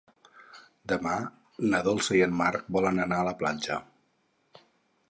Demà na Dolça i en Marc volen anar a la platja.